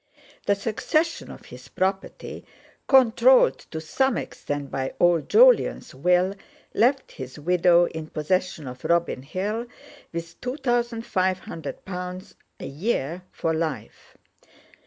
The succession of his property, controlled to some extent by old Jolyon's Will, left his widow in possession of Robin Hill, with two thousand five hundred pounds a year for life.